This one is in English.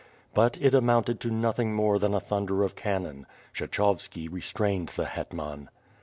But it amounted to nothing more than thunder of cannon. Kshechovski restrained the hetman.